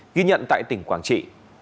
ghi nhận tại tỉnh quảng trị